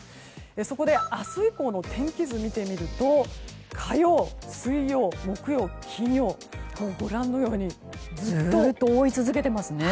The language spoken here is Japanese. そこで明日以降の天気図を見てみると火曜日、水曜日、木曜日、金曜日ご覧のようにずっと覆い続けてます。